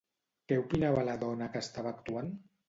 Què opinava de la dona que estava actuant?